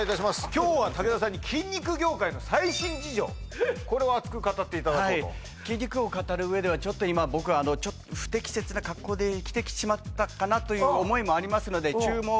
今日は武田さんに筋肉業界の最新事情これを熱く語っていただこうとはい筋肉を語る上ではちょっと今僕は不適切な格好で来てしまったかなという思いもありますので注目！